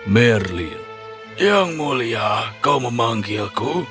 merlin yang mulia kau memanggilku